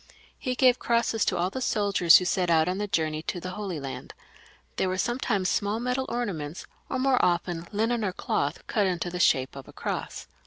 He gave crosses to all the soldiers who set out on the journey to the Holy Land; they were sometimes small metal ornaments, or more often linen or cloth cut into the shape of a cross.